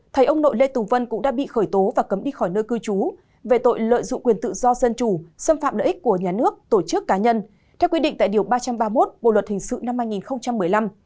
theo quy định tại điều ba trăm ba mươi một bộ luật thình sự năm hai nghìn một mươi năm